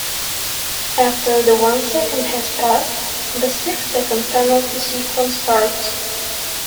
After the one second has passed, the six second penalty sequence starts.